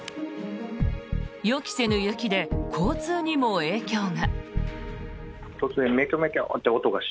予期せぬ雪で交通にも影響が。